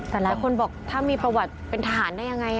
แต่หลายคนบอกถ้ามีประวัติเป็นทหารได้ยังไง